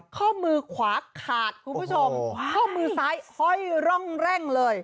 ข้อมือขวาขาดคุณผู้ชมข้อมือซ้ายห้อยร่องแร่งเลย